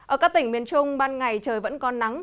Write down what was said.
ở các tỉnh miền trung ban ngày trời vẫn có nắng